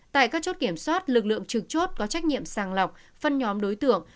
tại các chốt kiểm soát lực lượng trực chốt có trách nhiệm sàng lọc phân nhóm đối tượng